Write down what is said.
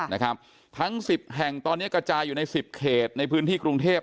นะครับทั้งสิบแห่งตอนนี้กระจายอยู่ในสิบเขตในพื้นที่กรุงเทพ